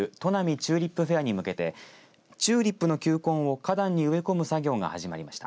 チューリップフェアに向けてチューリップの球根を花壇に植え込む作業が始まりました。